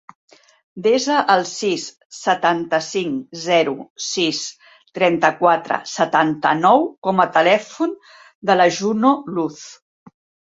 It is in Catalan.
Desa el sis, setanta-cinc, zero, sis, trenta-quatre, setanta-nou com a telèfon de la Juno Luz.